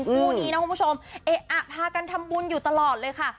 คู่นี้นะคุณผู้ชมเอ๊ะอะพากันทำบุญอยู่ตลอดเลยค่ะ